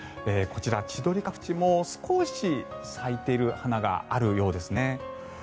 こちら、千鳥ヶ淵も少し咲いている花があるようですね。